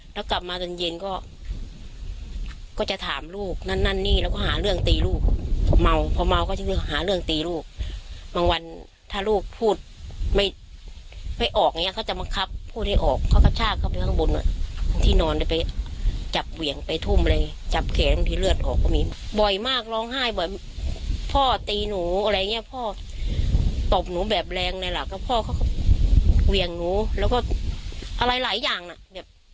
ตบหนูแบบแรงนี่แหละก็พ่อเค้าเวี่ยงหนูแล้วก็อะไรหลายอย่างอ่ะ